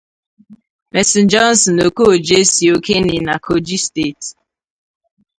Mercy Johnson-Okojie si Okene na Kogi Steeti.